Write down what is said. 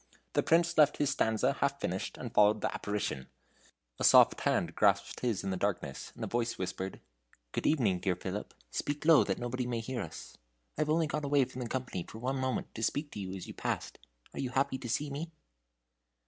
The Prince left his stanza half finished, and followed the apparition. A soft hand grasped his in the darkness, and a voice whispered: "Good evening, dear Philip. Speak low, that nobody may hear us. I have only got away from the company for one moment to speak to you as you passed. Are you happy to see me?"